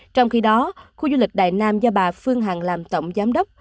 trong khi đó khu du lịch đại nam do bà phương hằng làm tổng giám đốc